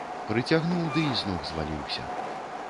Прыцягнуў ды і з ног зваліўся.